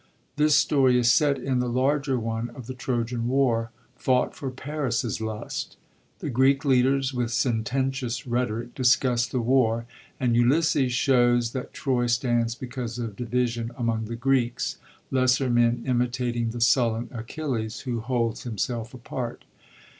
This story is set in the larger one of the Trojan War, fought for Paris's lust. The Greek leaders, with sententious rhetoric, discuss the war; and Ulysses shows that Troy stands because of division among the Greeks, lesser men imitating the BuUen Achilles who holds himself apart.